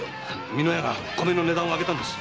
美乃屋が米の値段を上げたんです。